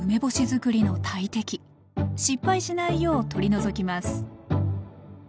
失敗しないよう取り除きます